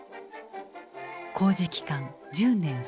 工事期間１０年３か月。